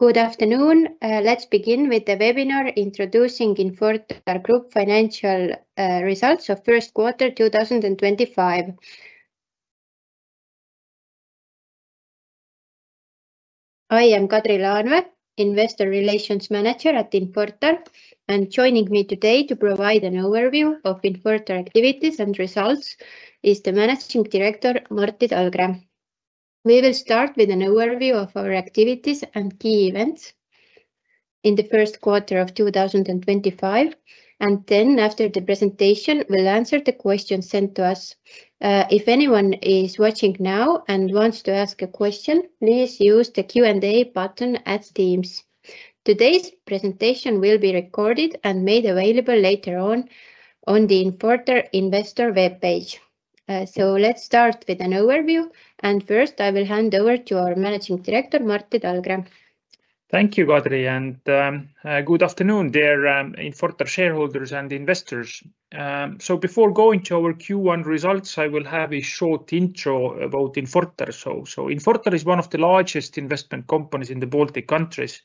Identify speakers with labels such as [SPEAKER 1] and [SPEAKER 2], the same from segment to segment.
[SPEAKER 1] Good afternoon. Let's begin with the webinar introducing Infortar Group financial results of first quarter 2025. I am Kadri Laanvee, Investor Relations Manager at Infortar, and joining me today to provide an overview of Infortar activities and results is the Managing Director, Martti Talgre. We will start with an overview of our activities and key events in the first quarter of 2025, and then after the presentation, we'll answer the questions sent to us. If anyone is watching now and wants to ask a question, please use the Q&A button at Teams. Today's presentation will be recorded and made available later on on the Infortar Investor web page. Let's start with an overview, and first I will hand over to our Managing Director, Martti Talgre.
[SPEAKER 2] Thank you, Kadri, and good afternoon, dear Infortar shareholders and investors. Before going to our Q1 results, I will have a short intro about Infortar. Infortar is one of the largest investment companies in the Baltic countries,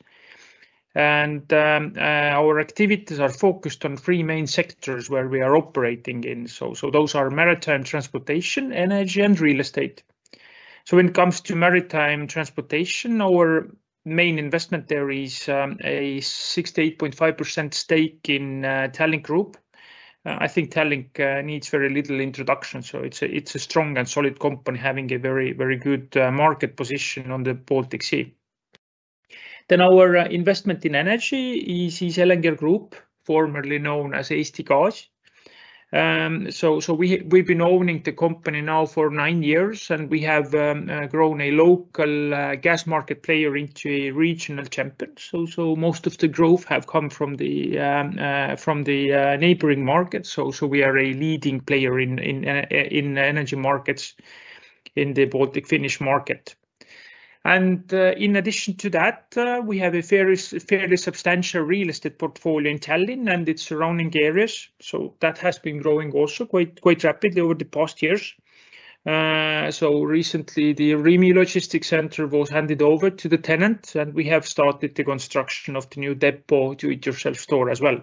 [SPEAKER 2] and our activities are focused on three main sectors where we are operating in. Those are maritime transportation, energy, and real estate. When it comes to maritime transportation, our main investment there is a 68.5% stake in Tallink Group. I think Tallink needs very little introduction, so it's a strong and solid company having a very, very good market position on the Baltic Sea. Our investment in energy is Elenger Group, formerly known as Eesti Gaas. We have been owning the company now for nine years, and we have grown a local gas market player into a regional champion. Most of the growth has come from the neighboring markets. We are a leading player in energy markets in the Baltic-Finnish market. In addition to that, we have a fairly substantial real estate portfolio in Tallinn and its surrounding areas. That has been growing also quite rapidly over the past years. Recently, the Rimi Logistics Centre was handed over to the tenants, and we have started the construction of the new DEPO Do-It-Yourself store as well.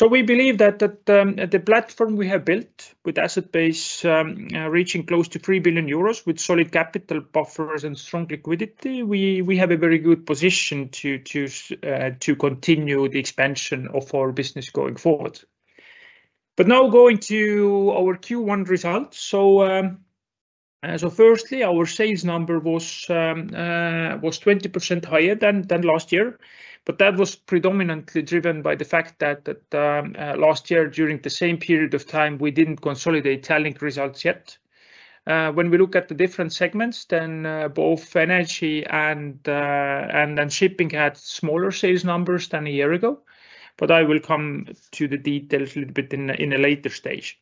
[SPEAKER 2] We believe that the platform we have built with asset base reaching close to 3 billion euros with solid capital buffers and strong liquidity, we have a very good position to continue the expansion of our business going forward. Now going to our Q1 results. Firstly, our sales number was 20% higher than last year, but that was predominantly driven by the fact that last year during the same period of time we did not consolidate Tallink results yet. When we look at the different segments, then both energy and shipping had smaller sales numbers than a year ago, but I will come to the details a little bit at a later stage.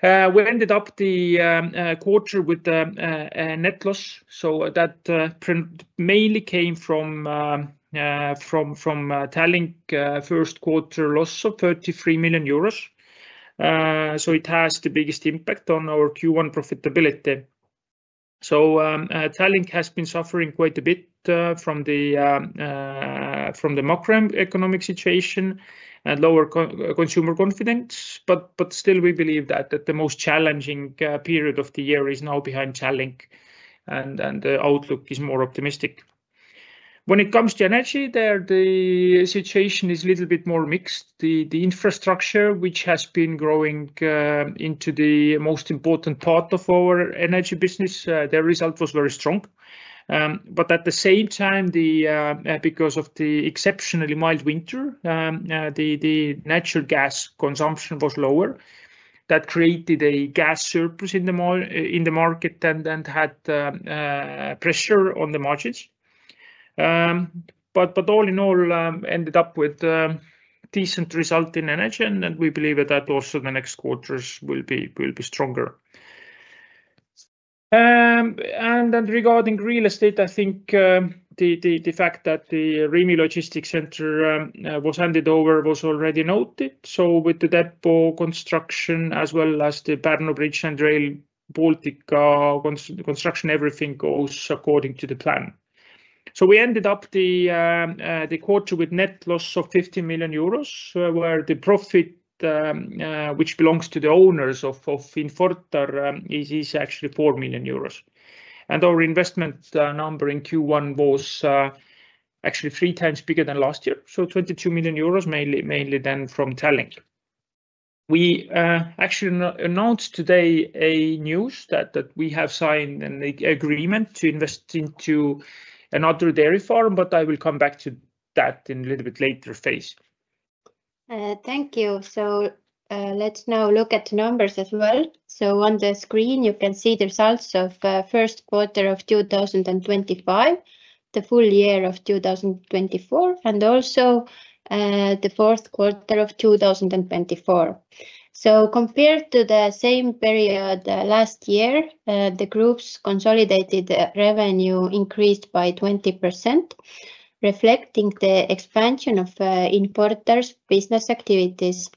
[SPEAKER 2] We ended up the quarter with a net loss, so that mainly came from Tallink first quarter loss of 33 million euros. It has the biggest impact on our Q1 profitability. Tallink has been suffering quite a bit from the macroeconomic situation and lower consumer confidence, but still we believe that the most challenging period of the year is now behind Tallink, and the outlook is more optimistic. When it comes to energy, the situation is a little bit more mixed. The infrastructure, which has been growing into the most important part of our energy business, the result was very strong. At the same time, because of the exceptionally mild winter, the natural gas consumption was lower. That created a gas surplus in the market and had pressure on the margins. All in all, ended up with decent result in energy, and we believe that also the next quarters will be stronger. Regarding real estate, I think the fact that the Rimi Logistics Centre was handed over was already noted. With the DEPO construction as well as the Pärnu Bridge and Rail Baltica construction, everything goes according to the plan. We ended up the quarter with net loss of 15 million euros, where the profit which belongs to the owners of Infortar is actually 4 million euros. Our investment number in Q1 was actually three times bigger than last year, so 22 million euros mainly then from Tallink. We actually announced today a news that we have signed an agreement to invest into another dairy farm, but I will come back to that in a little bit later phase.
[SPEAKER 1] Thank you. Let's now look at the numbers as well. On the screen, you can see the results of the first quarter of 2025, the full year of 2024, and also the fourth quarter of 2024. Compared to the same period last year, the group's consolidated revenue increased by 20%, reflecting the expansion of Infortar's business activities.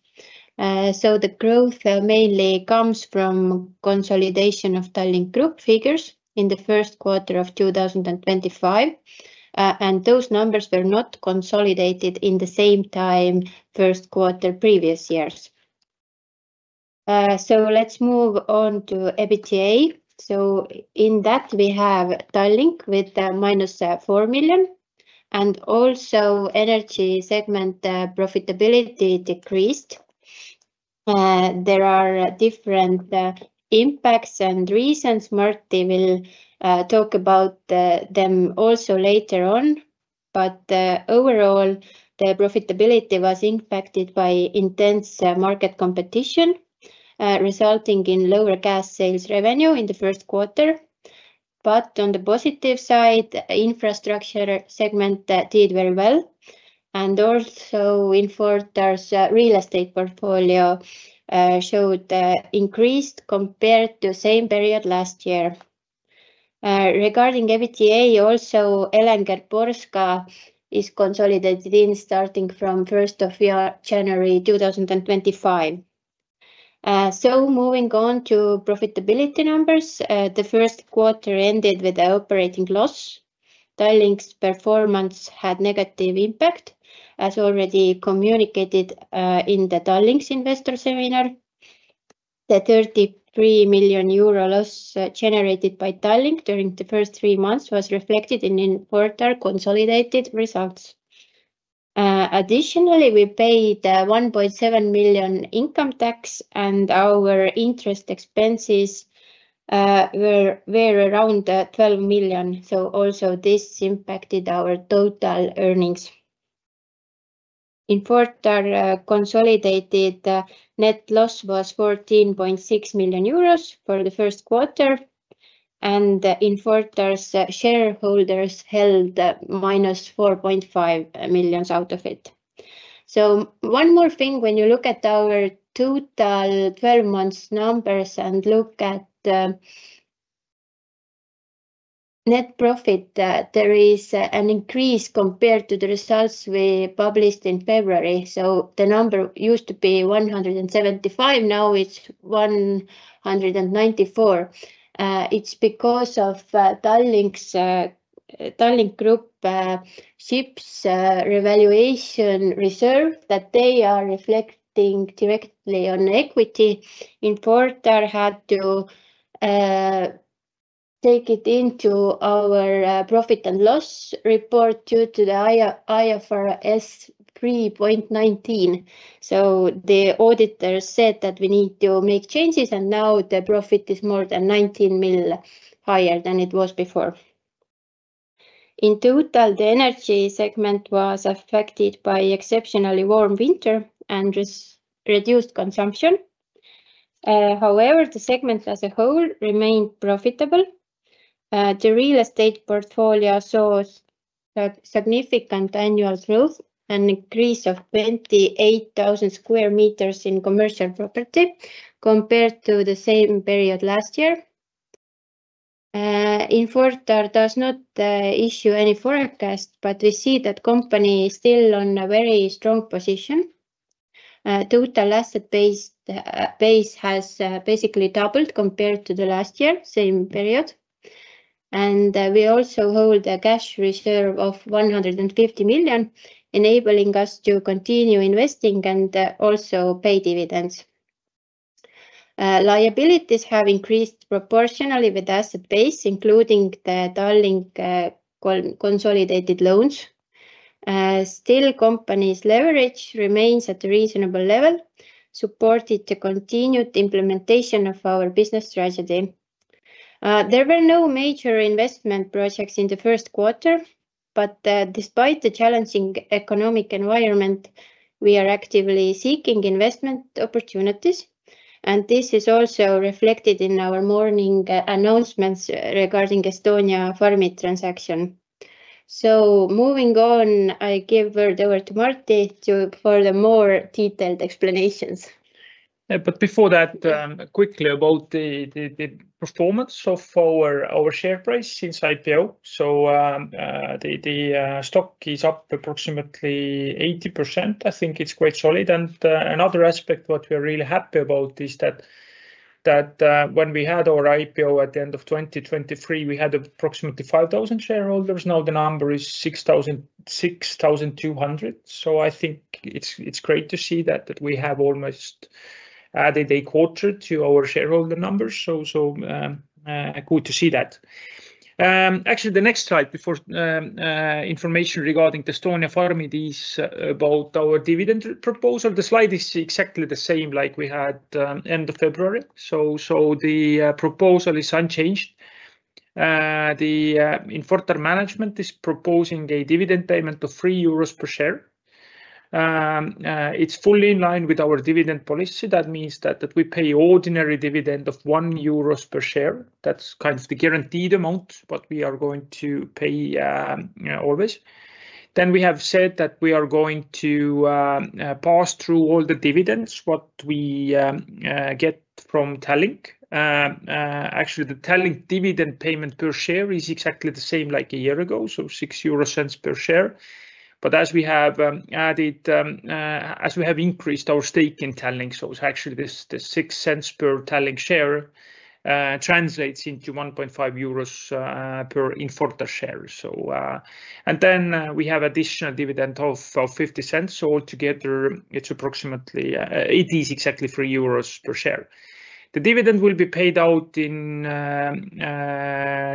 [SPEAKER 1] The growth mainly comes from consolidation of Tallink Group figures in the first quarter of 2025, and those numbers were not consolidated in the same time first quarter previous years. Let's move on to EBITDA. In that, we have Tallink with minus 4 million, and also energy segment profitability decreased. There are different impacts and reasons. Martti will talk about them also later on, but overall, the profitability was impacted by intense market competition, resulting in lower gas sales revenue in the first quarter. On the positive side, infrastructure segment did very well, and also Infortar's real estate portfolio showed increased compared to the same period last year. Regarding EBITDA, also Elenger Polska is consolidated in starting from January 1, 2025. Moving on to profitability numbers, the first quarter ended with an operating loss. Tallink's performance had a negative impact, as already communicated in the Tallink's investor seminar. The 33 million euro loss generated by Tallink during the first three months was reflected in Infortar consolidated results. Additionally, we paid 1.7 million income tax, and our interest expenses were around 12 million, so also this impacted our total earnings. Infortar consolidated net loss was 14.6 million euros for the first quarter, and Infortar's shareholders held minus 4.5 million out of it. One more thing, when you look at our total 12 months numbers and look at net profit, there is an increase compared to the results we published in February. The number used to be 175, now it's 194. It's because of Tallink Group ship's revaluation reserve that they are reflecting directly on equity. Infortar had to take it into our profit and loss report due to IFRS 3.19. The auditors said that we need to make changes, and now the profit is more than 19 million higher than it was before. In total, the energy segment was affected by exceptionally warm winter and reduced consumption. However, the segment as a whole remained profitable. The real estate portfolio saw significant annual growth and increase of 28,000 sq m in commercial property compared to the same period last year. Infortar does not issue any forecast, but we see that the company is still in a very strong position. Total asset base has basically doubled compared to last year, same period. We also hold a cash reserve of 150 million, enabling us to continue investing and also pay dividends. Liabilities have increased proportionally with asset base, including the Tallink consolidated loans. Still, company's leverage remains at a reasonable level, supported to continued implementation of our business strategy. There were no major investment projects in the first quarter, but despite the challenging economic environment, we are actively seeking investment opportunities, and this is also reflected in our morning announcements regarding Estonia Farmid transaction. Moving on, I give the word over to Martti for the more detailed explanations.
[SPEAKER 2] Before that, quickly about the performance of our share price since IPO. The stock is up approximately 80%. I think it's quite solid. Another aspect what we are really happy about is that when we had our IPO at the end of 2023, we had approximately 5,000 shareholders. Now the number is 6,200. I think it's great to see that we have almost added a quarter to our shareholder numbers. Good to see that. Actually, the next slide before information regarding the Estonia Farmid is about our dividend proposal. The slide is exactly the same like we had end of February. The proposal is unchanged. The Infortar management is proposing a dividend payment of 3 euros per share. It's fully in line with our dividend policy. That means that we pay ordinary dividend of 1 euros per share. That's kind of the guaranteed amount, but we are going to pay always. Then we have said that we are going to pass through all the dividends what we get from Tallink. Actually, the Tallink dividend payment per share is exactly the same like a year ago, so 0.06 per share. As we have increased our stake in Tallink, 0.06 per Tallink share translates into 1.5 euros per Infortar share. We have additional dividend of 0.50. Altogether, it is exactly 3 euros per share. The dividend will be paid out in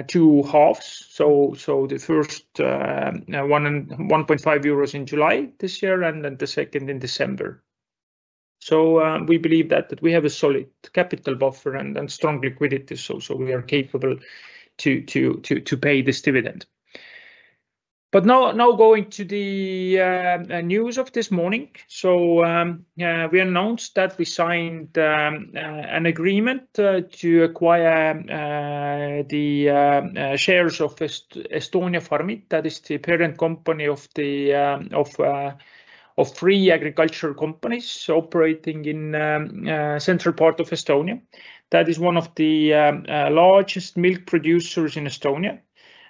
[SPEAKER 2] two halves. The first 1.5 euros in July this year and the second in December. We believe that we have a solid capital buffer and strong liquidity, so we are capable to pay this dividend. Now going to the news of this morning. We announced that we signed an agreement to acquire the shares of Estonia Farmid. That is the parent company of three agricultural companies operating in the central part of Estonia. That is one of the largest milk producers in Estonia,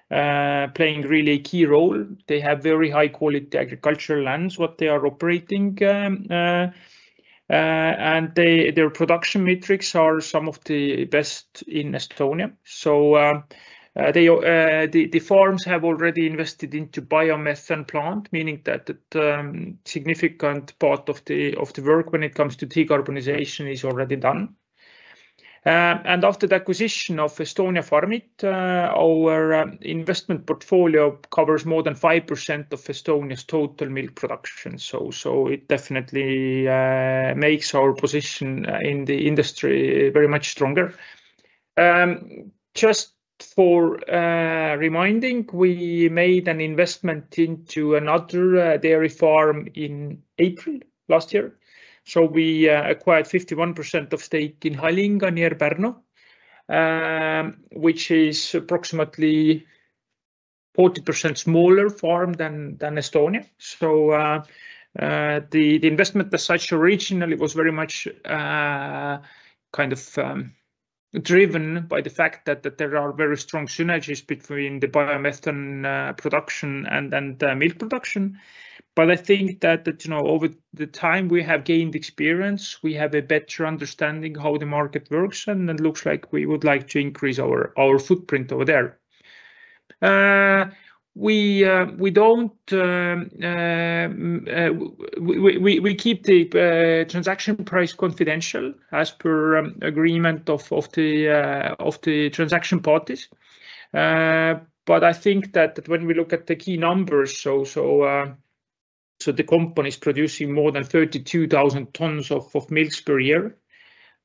[SPEAKER 2] playing really a key role. They have very high quality agricultural lands that they are operating, and their production metrics are some of the best in Estonia. The farms have already invested into a biomethane plant, meaning that a significant part of the work when it comes to decarbonisation is already done. After the acquisition of Estonia Farmid, our investment portfolio covers more than 5% of Estonia's total milk production. It definitely makes our position in the industry very much stronger. Just for reminding, we made an investment into another dairy farm in April last year. We acquired 51% of stake in Halinga near Pärnu, which is approximately 40% smaller farm than Estonia. The investment decided to originally was very much kind of driven by the fact that there are very strong synergies between the biomethane production and milk production. I think that over the time we have gained experience, we have a better understanding how the market works, and it looks like we would like to increase our footprint over there. We keep the transaction price confidential as per agreement of the transaction parties. I think that when we look at the key numbers, the company is producing more than 32,000 tons of milk per year.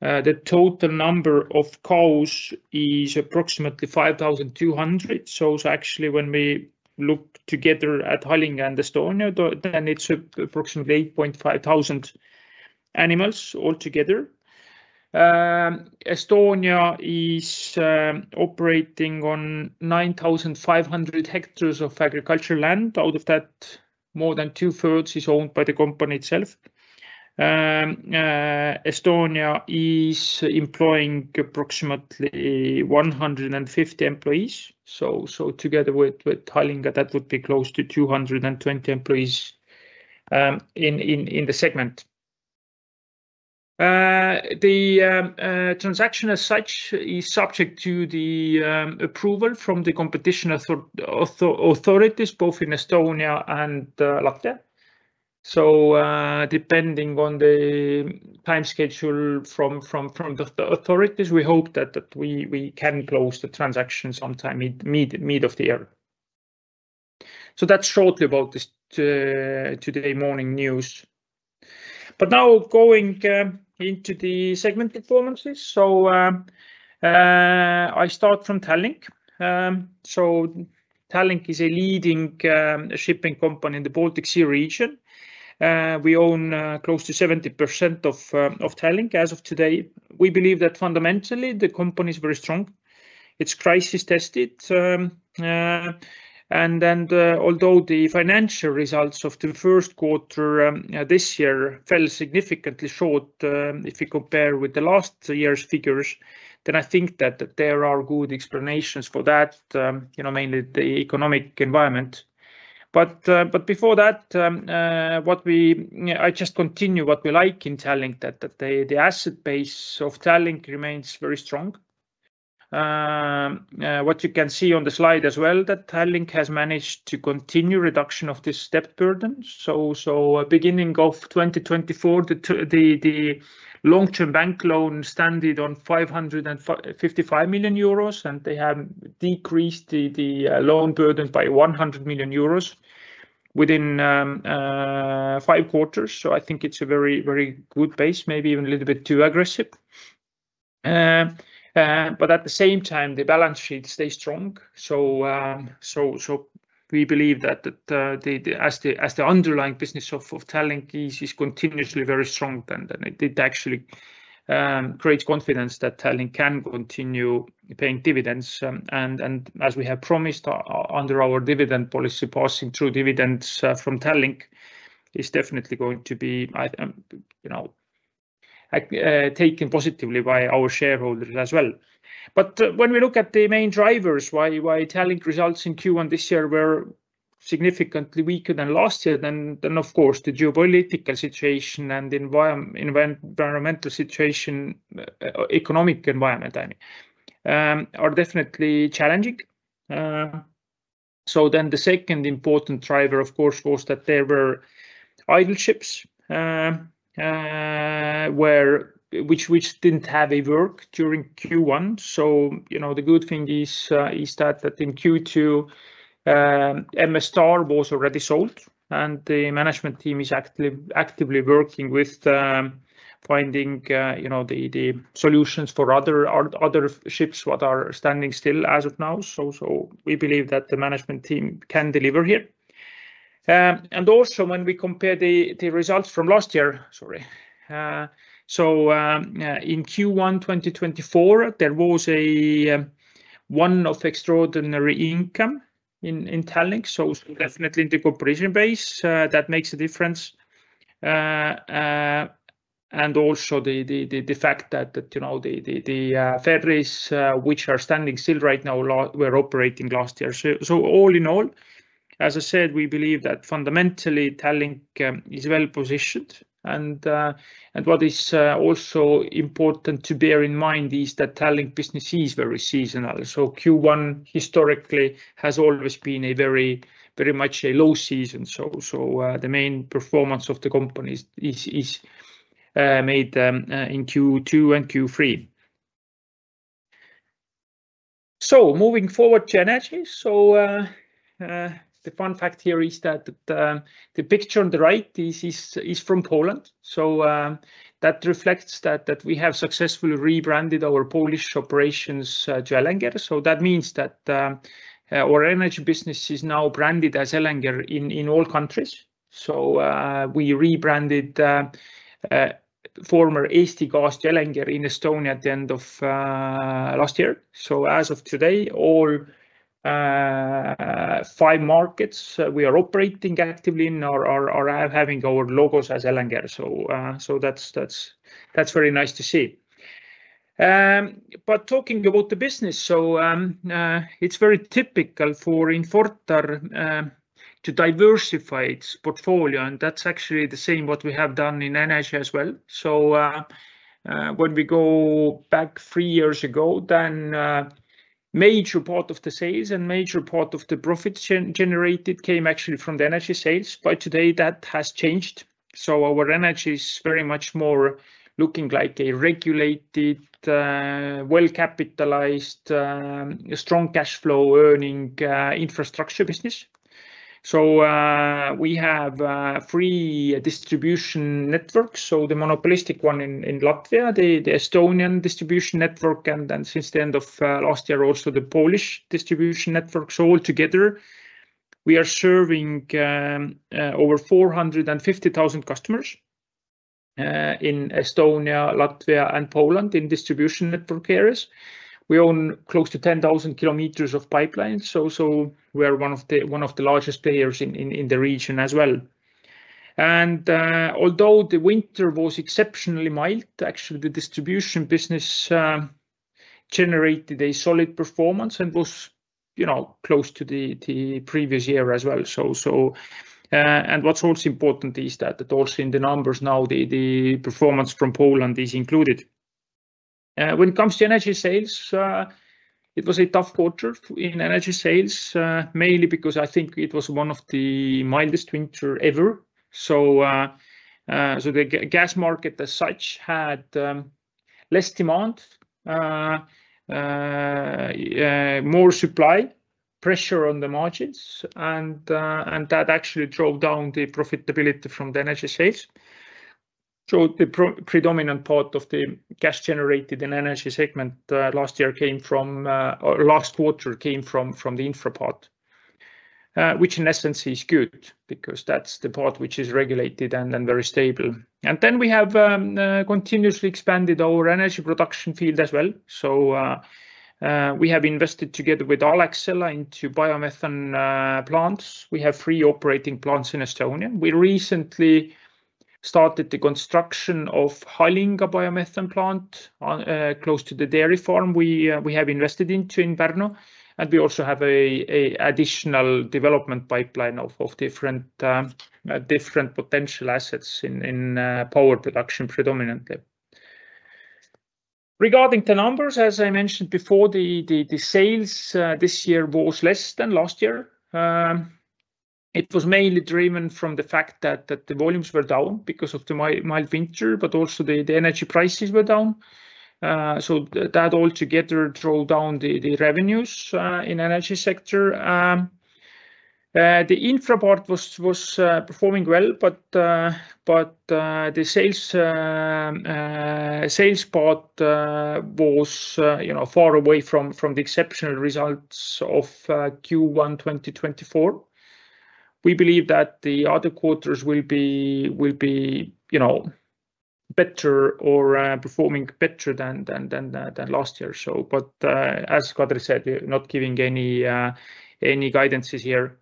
[SPEAKER 2] The total number of cows is approximately 5,200. Actually, when we look together at Halinga and Estonia, then it's approximately 8.5 thousand animals altogether. Estonia is operating on 9,500 hectares of agricultural land. Out of that, more than two thirds is owned by the company itself. Estonia is employing approximately 150 employees. Together with Halinga, that would be close to 220 employees in the segment. The transaction as such is subject to the approval from the competition authorities, both in Estonia and Latvia. Depending on the time schedule from the authorities, we hope that we can close the transaction sometime mid of the year. That is shortly about today morning news. Now going into the segment performances. I start from Tallink. Tallink is a leading shipping company in the Baltic Sea region. We own close to 70% of Tallink as of today. We believe that fundamentally the company is very strong. It is crisis tested. Although the financial results of the first quarter this year fell significantly short if you compare with last year's figures, I think that there are good explanations for that, mainly the economic environment. Before that, I just continue what we like in Tallink, that the asset base of Tallink remains very strong. What you can see on the slide as well, Tallink has managed to continue reduction of this debt burden. Beginning of 2024, the long-term bank loan standing on 555 million euros, and they have decreased the loan burden by 100 million euros within five quarters. I think it's a very, very good base, maybe even a little bit too aggressive. At the same time, the balance sheet stays strong. We believe that as the underlying business of Tallink is continuously very strong, it actually creates confidence that Tallink can continue paying dividends. As we have promised under our dividend policy, passing through dividends from Tallink is definitely going to be taken positively by our shareholders as well. When we look at the main drivers, why Tallink results in Q1 this year were significantly weaker than last year, of course the geopolitical situation and the environmental situation, economic environment, are definitely challenging. The second important driver, of course, was that there were idle ships, which did not have work during Q1. The good thing is that in Q2, MS Star was already sold, and the management team is actively working with finding the solutions for other ships that are standing still as of now. We believe that the management team can deliver here. Also, when we compare the results from last year, sorry. In Q1 2024, there was one-off extraordinary income in Tallink. Definitely, the corporation base makes a difference. Also, the fact that the ferries, which are standing still right now, were operating last year. All in all, as I said, we believe that fundamentally Tallink is well positioned. What is also important to bear in mind is that Tallink business is very seasonal. Q1 historically has always been very much a low season. The main performance of the company is made in Q2 and Q3. Moving forward to energy, the fun fact here is that the picture on the right is from Poland. That reflects that we have successfully rebranded our Polish operations to Elenger. That means that our energy business is now branded as Elenger in all countries. We rebranded former Eesti Gaas Elenger in Estonia at the end of last year. As of today, all five markets we are operating actively in are having our logos as Elenger. That's very nice to see. Talking about the business, it's very typical for Infortar to diversify its portfolio, and that's actually the same what we have done in energy as well. When we go back three years ago, then major part of the sales and major part of the profits generated came actually from the energy sales. By today, that has changed. Our energy is very much more looking like a regulated, well-capitalized, strong cash flow earning infrastructure business. We have three distribution networks. The monopolistic one in Latvia, the Estonian distribution network, and then since the end of last year, also the Polish distribution network. Altogether, we are serving over 450,000 customers in Estonia, Latvia, and Poland in distribution network areas. We own close to 10,000 km of pipelines. We are one of the largest players in the region as well. Although the winter was exceptionally mild, actually the distribution business generated a solid performance and was close to the previous year as well. What's also important is that also in the numbers now, the performance from Poland is included. When it comes to energy sales, it was a tough quarter in energy sales, mainly because I think it was one of the mildest winters ever. The gas market as such had less demand, more supply, pressure on the margins, and that actually drove down the profitability from the energy sales. The predominant part of the gas generated in energy segment last year came from last quarter came from the infra part, which in essence is good because that's the part which is regulated and very stable. We have continuously expanded our energy production field as well. We have invested together with Alexela into biomethane plants. We have three operating plants in Estonia. We recently started the construction of Halinga biomethane plant close to the dairy farm we have invested into in Pärnu. We also have an additional development pipeline of different potential assets in power production predominantly. Regarding the numbers, as I mentioned before, the sales this year was less than last year. It was mainly driven from the fact that the volumes were down because of the mild winter, but also the energy prices were down. That altogether drove down the revenues in the energy sector. The infra part was performing well, but the sales part was far away from the exceptional results of Q1 2024. We believe that the other quarters will be better or performing better than last year. As Kadri said, we're not giving any guidances here.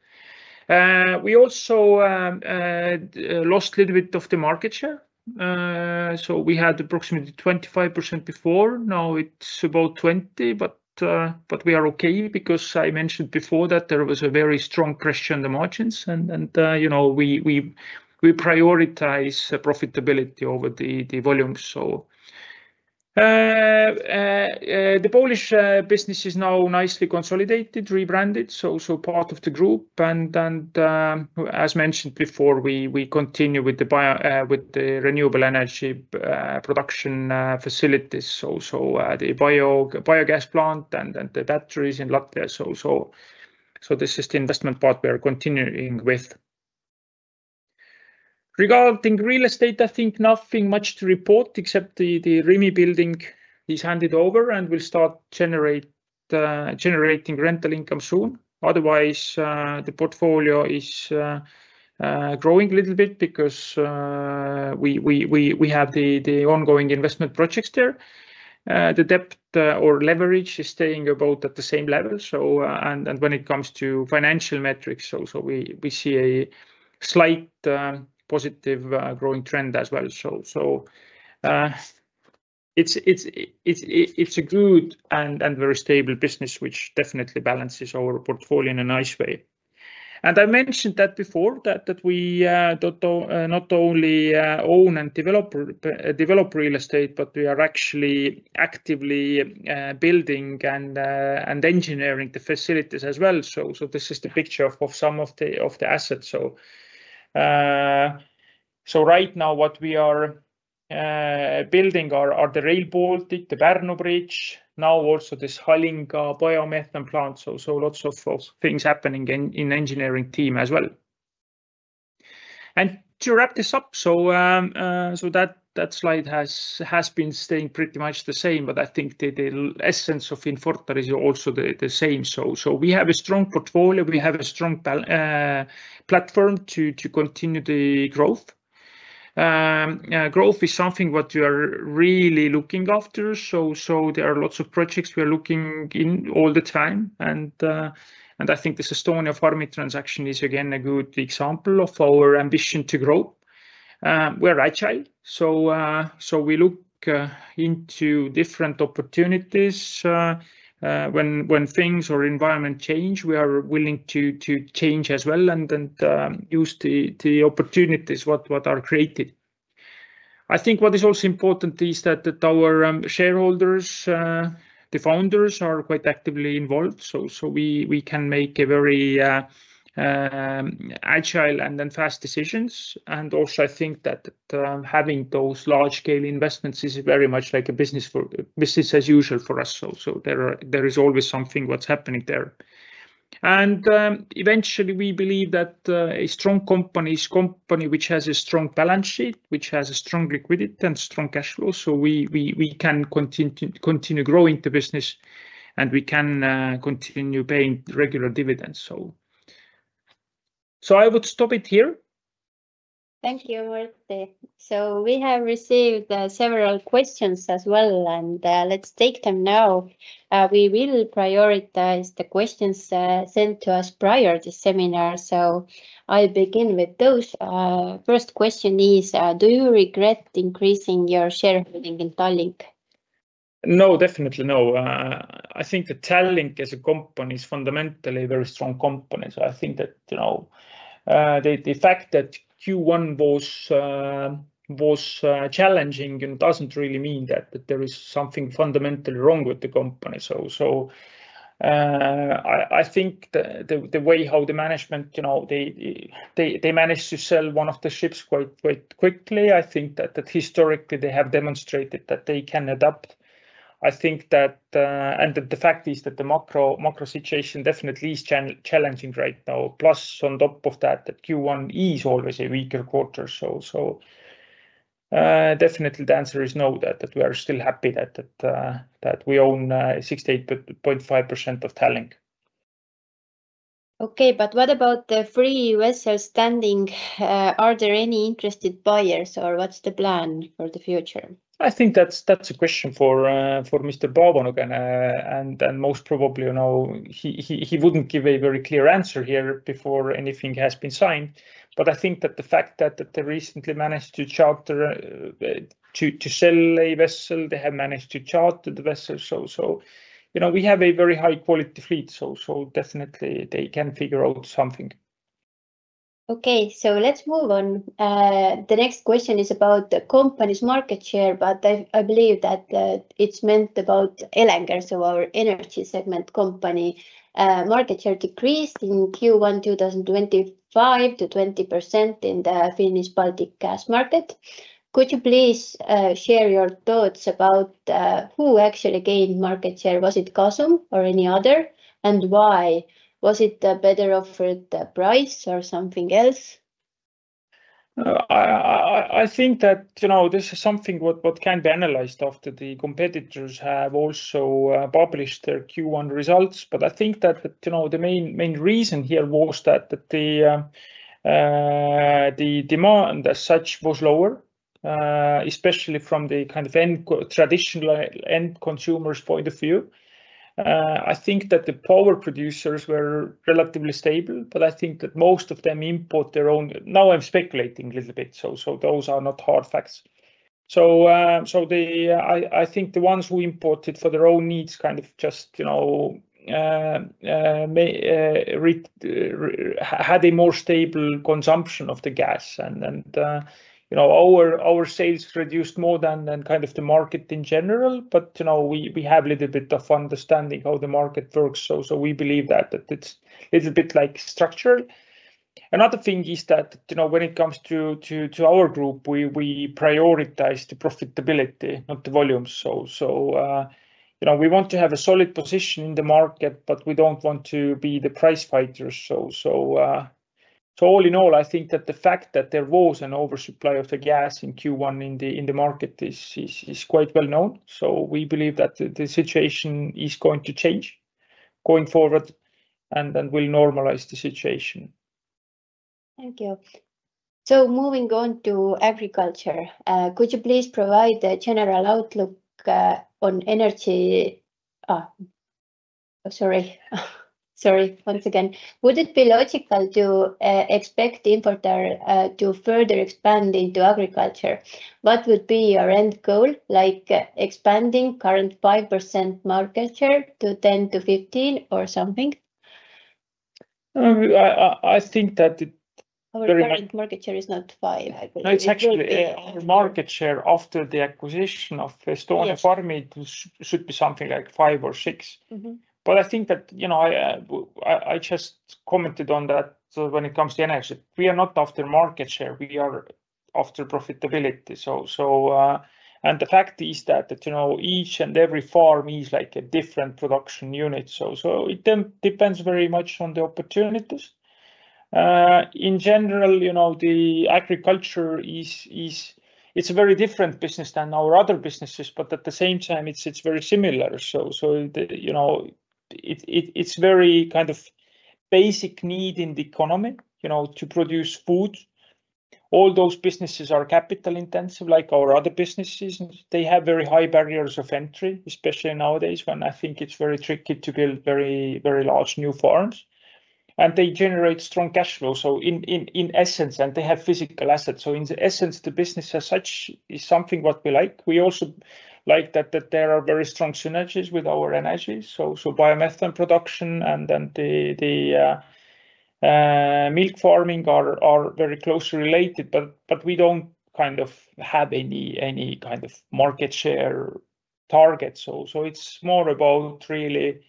[SPEAKER 2] We also lost a little bit of the market share. We had approximately 25% before. Now it's about 20%, but we are okay because I mentioned before that there was a very strong question on the margins. We prioritise profitability over the volume. The Polish business is now nicely consolidated, rebranded. Part of the group. As mentioned before, we continue with the renewable energy production facilities. The biogas plant and the batteries in Latvia are the investment part we are continuing with. Regarding real estate, I think nothing much to report except the Rimi building is handed over and will start generating rental income soon. Otherwise, the portfolio is growing a little bit because we have the ongoing investment projects there. The debt or leverage is staying about at the same level. When it comes to financial metrics, we see a slight positive growing trend as well. It is a good and very stable business, which definitely balances our portfolio in a nice way. I mentioned that before, that we not only own and develop real estate, but we are actually actively building and engineering the facilities as well. This is the picture of some of the assets. Right now, what we are building are the Rail Baltica, the Pärnu bridge, now also this Halinga biomethane plant. Lots of things happening in the engineering team as well. To wrap this up, that slide has been staying pretty much the same, but I think the essence of Infortar is also the same. We have a strong portfolio. We have a strong platform to continue the growth. Growth is something what you are really looking after. There are lots of projects we are looking in all the time. I think this Estonia Farmid transaction is again a good example of our ambition to grow. We are agile. We look into different opportunities. When things or environment change, we are willing to change as well and use the opportunities what are created. I think what is also important is that our shareholders, the founders, are quite actively involved. We can make very agile and fast decisions. I think that having those large-scale investments is very much like a business as usual for us. There is always something what's happening there. Eventually, we believe that a strong company is a company which has a strong balance sheet, which has strong liquidity and strong cash flow. We can continue growing the business and we can continue paying regular dividends. I would stop it here.
[SPEAKER 3] Thank you, Martti. We have received several questions as well, and let's take them now. We will prioritize the questions sent to us prior to the seminar. I'll begin with those. First question is, do you regret increasing your shareholding in Tallink? No, definitely no.
[SPEAKER 2] I think that Tallink as a company is fundamentally a very strong company. I think that the fact that Q1 was challenging does not really mean that there is something fundamentally wrong with the company. I think the way how the management, they managed to sell one of the ships quite quickly, I think that historically they have demonstrated that they can adapt. I think that, and the fact is that the macro situation definitely is challenging right now. Plus, on top of that, Q1 is always a weaker quarter. Definitely the answer is no, we are still happy that we own 68.5% of Tallink.
[SPEAKER 1] Okay, but what about the three vessels standing? Are there any interested buyers or what is the plan for the future?
[SPEAKER 2] I think that is a question for Mr. Paavo Nõgene. Most probably, he wouldn't give a very clear answer here before anything has been signed. I think that the fact that they recently managed to charter to sell a vessel, they have managed to charter the vessel. We have a very high-quality fleet. Definitely they can figure out something.
[SPEAKER 1] Okay, let's move on. The next question is about the company's market share, but I believe that it's meant about Elenger, so our energy segment company. Market share decreased in Q1 2025 to 20% in the Finnish Baltic gas market. Could you please share your thoughts about who actually gained market share? Was it Gasum or any other, and why? Was it a better offered price or something else?
[SPEAKER 2] I think that this is something what can be analysed after the competitors have also published their Q1 results. I think that the main reason here was that the demand as such was lower, especially from the kind of traditional end consumers' point of view. I think that the power producers were relatively stable, but I think that most of them import their own. Now I'm speculating a little bit, so those are not hard facts. I think the ones who imported for their own needs kind of just had a more stable consumption of the gas. Our sales reduced more than kind of the market in general, but we have a little bit of understanding how the market works. We believe that it's a bit like structural. Another thing is that when it comes to our group, we prioritize the profitability, not the volumes. We want to have a solid position in the market, but we don't want to be the price fighters. All in all, I think that the fact that there was an oversupply of the gas in Q1 in the market is quite well known. We believe that the situation is going to change going forward and will normalise the situation.
[SPEAKER 1] Thank you. Moving on to agriculture, could you please provide the general outlook on energy? Sorry, sorry, once again. Would it be logical to expect Infortar to further expand into agriculture? What would be your end goal, like expanding current 5% market share to 10-15% or something?
[SPEAKER 2] I think that
[SPEAKER 1] our current market share is not 5%.
[SPEAKER 2] It's actually our market share after the acquisition of Estonia Farmid should be something like 5% or 6%. I just commented on that when it comes to energy. We are not after market share. We are after profitability. The fact is that each and every farm is like a different production unit. It depends very much on the opportunities. In general, agriculture is a very different business than our other businesses, but at the same time, it is very similar. It is a very kind of basic need in the economy to produce food. All those businesses are capital intensive, like our other businesses. They have very high barriers of entry, especially nowadays when I think it is very tricky to build very large new farms. They generate strong cash flows, and they have physical assets. In essence, the business as such is something that we like. We also like that there are very strong synergies with our energy. Biomethane production and milk farming are very closely related, but we do not have any kind of market share target. It is more about really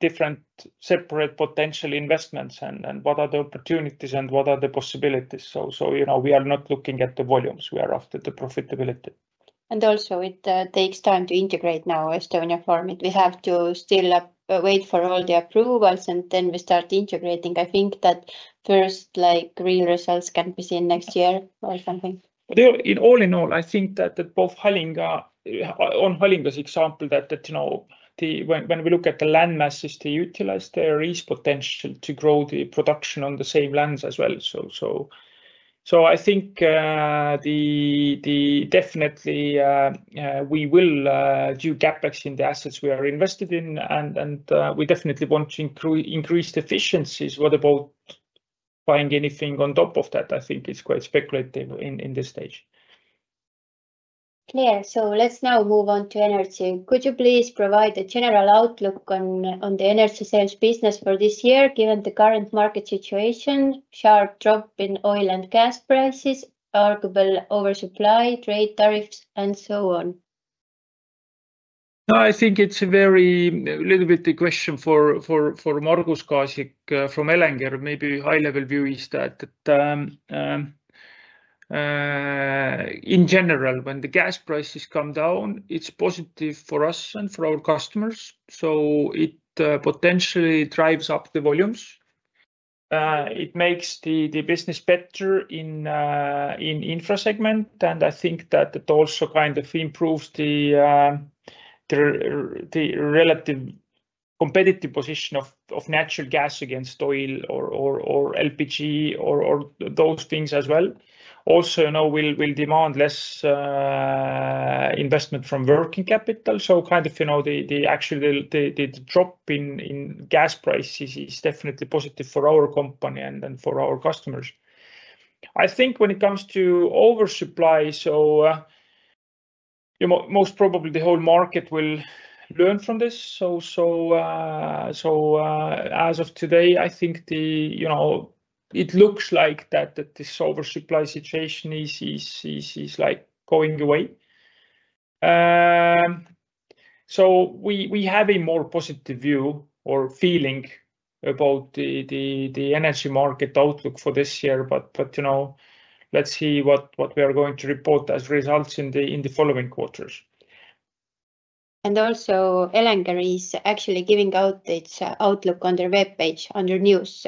[SPEAKER 2] different separate potential investments and what are the opportunities and what are the possibilities. We are not looking at the volumes. We are after the profitability.
[SPEAKER 1] Also, it takes time to integrate now, Estonia Farmid. We have to still wait for all the approvals and then we start integrating. I think that first real results can be seen next year or something.
[SPEAKER 2] All in all, I think that both on Halinga's example, that when we look at the land masses to utilize there, there is potential to grow the production on the same lands as well. I think definitely we will do gaps in the assets we are invested in, and we definitely want to increase efficiencies. What about buying anything on top of that? I think it is quite speculative in this stage.
[SPEAKER 1] Clear. Let's now move on to energy. Could you please provide the general outlook on the energy sales business for this year, given the current market situation, sharp drop in oil and gas prices, arguable oversupply, trade tariffs, and so on?
[SPEAKER 2] I think it's a very little bit the question for Markus Kaasik from Elenger. Maybe high-level view is that in general, when the gas prices come down, it's positive for us and for our customers. It potentially drives up the volumes. It makes the business better in infra segment, and I think that it also kind of improves the relative competitive position of natural gas against oil or LPG or those things as well. Also, it will demand less investment from working capital. The actual drop in gas prices is definitely positive for our company and for our customers. I think when it comes to oversupply, most probably the whole market will learn from this. As of today, I think it looks like this oversupply situation is going away. We have a more positive view or feeling about the energy market outlook for this year, but let's see what we are going to report as results in the following quarters.
[SPEAKER 1] Also, Elenger is actually giving out its outlook on their webpage under news.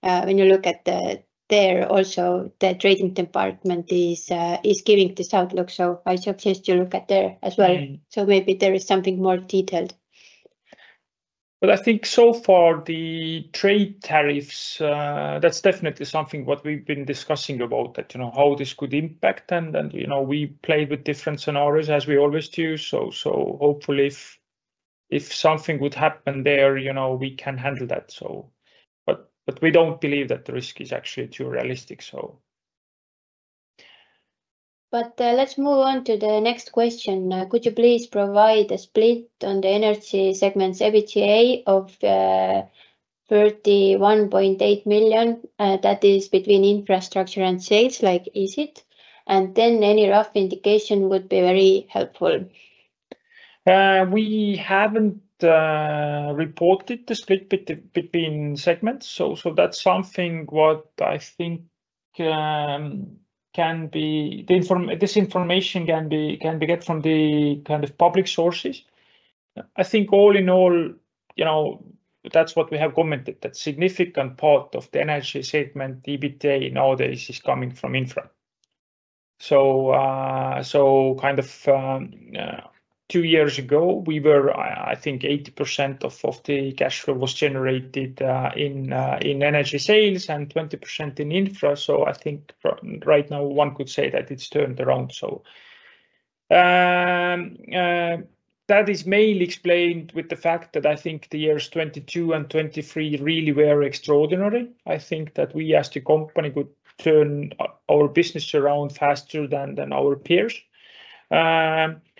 [SPEAKER 1] When you look there, the trading department is giving this outlook. I suggest you look there as well. Maybe there is something more detailed.
[SPEAKER 2] I think so far the trade tariffs, that's definitely something we've been discussing about, how this could impact. We played with different scenarios as we always do. Hopefully if something would happen there, we can handle that. We do not believe that the risk is actually too realistic.
[SPEAKER 1] Let's move on to the next question. Could you please provide a split on the energy segment's EBITDA of 31.8 million? That is between infrastructure and sales, like is it? Any rough indication would be very helpful.
[SPEAKER 2] We have not reported the split between segments. That is something I think this information can be got from the kind of public sources. I think all in all, that is what we have commented. A significant part of the energy segment EBITDA nowadays is coming from infra. Two years ago, I think 80% of the cash flow was generated in energy sales and 20% in infra. I think right now one could say that it is turned around. That is mainly explained with the fact that I think the years 2022 and 2023 really were extraordinary. I think that we as the company could turn our business around faster than our peers.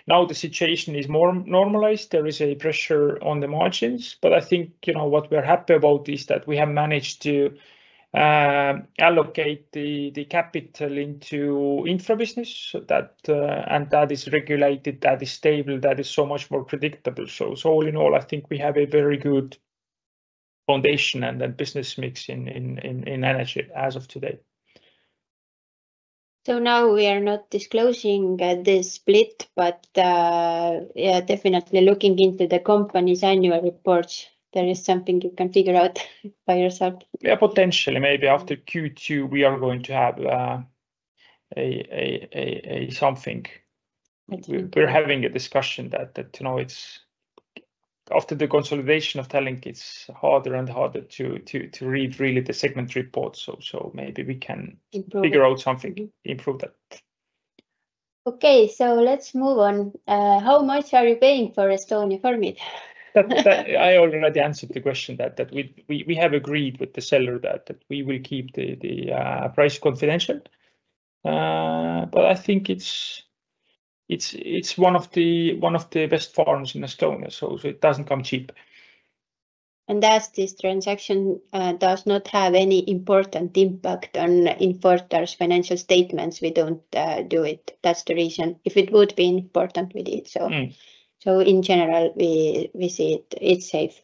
[SPEAKER 2] Now the situation is more normalised. There is a pressure on the margins. I think what we're happy about is that we have managed to allocate the capital into infra business, and that is regulated, that is stable, that is so much more predictable. All in all, I think we have a very good foundation and then business mix in energy as of today.
[SPEAKER 1] Now we are not disclosing this split, but definitely looking into the company's annual reports, there is something you can figure out by yourself.
[SPEAKER 2] Yeah, potentially. Maybe after Q2, we are going to have a something. We're having a discussion that after the consolidation of Tallink, it's harder and harder to read really the segment report. Maybe we can figure out something, improve that. Okay, let's move on. How much are you paying for Estonia Farmid? I already answered the question that we have agreed with the seller that we will keep the price confidential. I think it's one of the best farms in Estonia, so it doesn't come cheap.
[SPEAKER 1] As this transaction does not have any important impact on Infortar's financial statements, we don't do it. That's the reason. If it would be important, we did. In general, we see it's safe.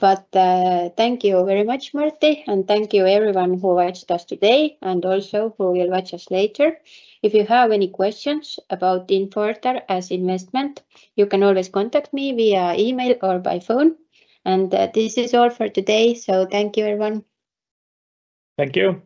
[SPEAKER 1] Thank you very much, Martti, and thank you everyone who watched us today and also who will watch us later. If you have any questions about Infortar as investment, you can always contact me via email or by phone. This is all for today, so thank you everyone.
[SPEAKER 2] Thank you.